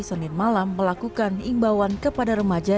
senin malam melakukan imbauan kepada remaja